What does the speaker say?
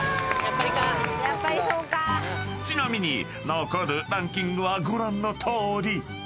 ［ちなみに残るランキングはご覧のとおり］